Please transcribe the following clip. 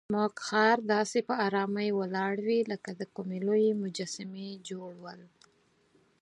زموږ خر داسې په آرامۍ ولاړ وي لکه د کومې لویې مجسمې جوړول.